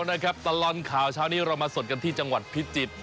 นะครับตลอดข่าวเช้านี้เรามาสดกันที่จังหวัดพิจิตร